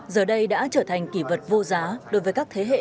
giờ đây đã trở thành kỷ vật vô giá đối với các thế hệ